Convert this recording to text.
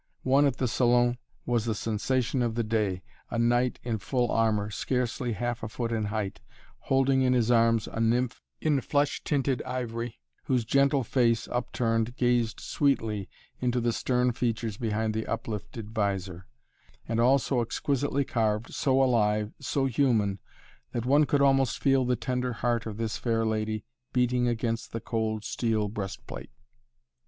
One at the Salon was the sensation of the day a knight in full armor, scarcely half a foot in height, holding in his arms a nymph in flesh tinted ivory, whose gentle face, upturned, gazed sweetly into the stern features behind the uplifted vizor; and all so exquisitely carved, so alive, so human, that one could almost feel the tender heart of this fair lady beating against the cold steel breastplate.